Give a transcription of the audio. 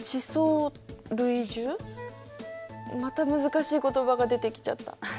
また難しい言葉が出てきちゃった。